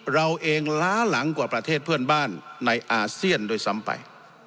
เราเองล้าหลังกว่าประเทศเพื่อนบ้านในอาเซียนด้วยซ้ำไป